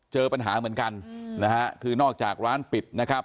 เจอปัญหาเหมือนกันนะฮะคือนอกจากร้านปิดนะครับ